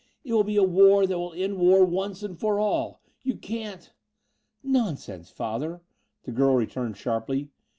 It will be a war that will end war once and for all. You can't " "Nonsense, Father," the girl returned sharply.